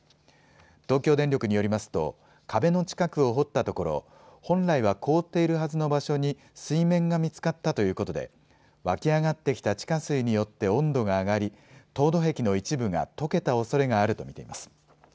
東京電力によりますと壁の近くを掘ったところ本来は凍っているはずの場所に水面が見つかったということで湧き上がってきた地下水によって温度が上がり凍土壁の一部がとけたおそれがあると見ています。